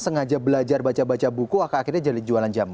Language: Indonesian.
sengaja belajar baca baca buku akan akhirnya jadi jualan jamu